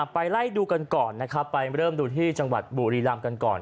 ไปไล่ดูกันก่อนนะครับไปเริ่มดูที่จังหวัดบุรีรำกันก่อน